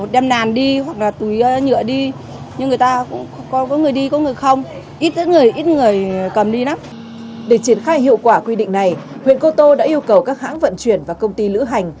để triển khai hiệu quả quy định này huyện cô tô đã yêu cầu các hãng vận chuyển và công ty lữ hành